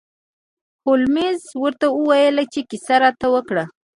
هولمز ورته وویل چې کیسه راته وکړه.